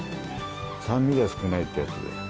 酸味が少ないってやつで。